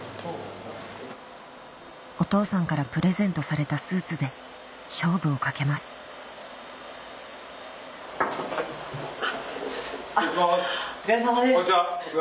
お父さんからプレゼントされたスーツで勝負をかけます失礼します。